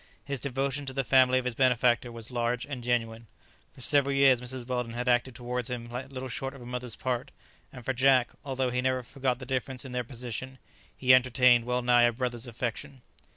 His devotion to the family of his benefactor was large and genuine. For several years Mrs. Weldon had acted towards him little short of a mother's part, and for Jack, although he never forgot the difference in their position, he entertained well nigh a brother's affection.